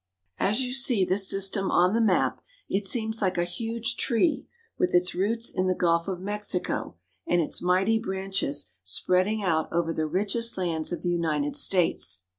As you see this system on the map, it seems like a huge tree, with its roots in the Gulf of Mexico, and its mighty branches spreading out over the richest lands of the United A Mississippi Steamboat. States.